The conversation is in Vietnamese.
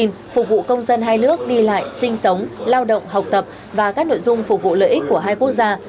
phục vụ công dân hai nước đi lại sinh sống lao động học tập và các nội dung phục vụ lợi ích của hai quốc gia